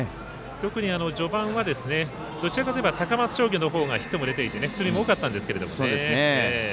特に序盤はどちらかといえば高松商業のほうがヒットも出ていて出塁も多かったんですけれどもね。